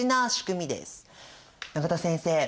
永田先生